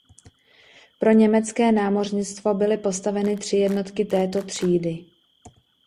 Pro německé námořnictvo byly postaveny tři jednotky této třídy.